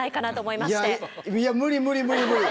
いや無理無理無理無理。